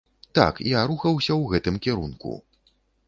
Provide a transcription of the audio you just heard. Так, я рухаўся ў гэтым кірунку!